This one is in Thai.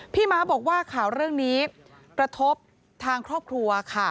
ม้าบอกว่าข่าวเรื่องนี้กระทบทางครอบครัวค่ะ